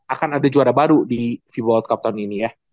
akan ada juara baru di fiba world cup tahun ini ya